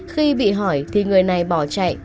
khi bị hỏi thì người này bỏ chạy